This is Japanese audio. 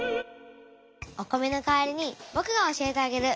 お米の代わりにぼくが教えてあげる。